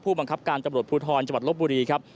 ผู้บังคับการตำรวจภูทธรณ์จบัตรลบบุรีครับ